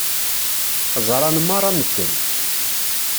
Ẓṛan meṛṛa medden.